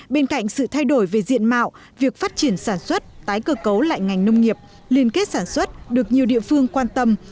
bên cạnh sự thay đổi về diện mạo việc phát triển sản xuất tái cơ cấu lại ngành nông nghiệp liên kết sản xuất được nhiều địa phương quan tâm